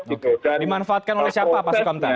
oke dimanfaatkan oleh siapa pak sukamta